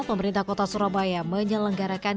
pemerintah kota surabaya menyelenggarakan